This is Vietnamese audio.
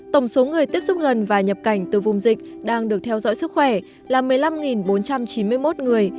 tổng số người tiếp xúc gần và nhập cảnh từ vùng dịch đang được theo dõi sức khỏe là một mươi năm bốn trăm chín mươi một người